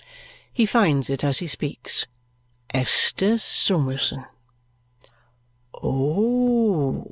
He finds it as he speaks, "Esther Summerson." "Oh!"